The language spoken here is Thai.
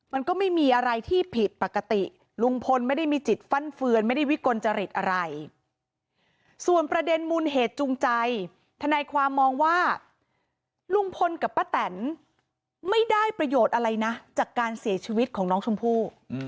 มันก็ไม่มีอะไรที่ผิดปกติลุงพลไม่ได้มีจิตฟั่นเฟือนไม่ได้วิกลจริตอะไรส่วนประเด็นมูลเหตุจูงใจทนายความมองว่าลุงพลกับป้าแตนไม่ได้ประโยชน์อะไรนะจากการเสียชีวิตของน้องชมพู่